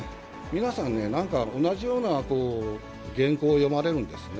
皆さんね、なんか同じような原稿を読まれるんですね。